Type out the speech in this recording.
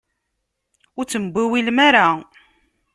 Ur ttembiwilem ara.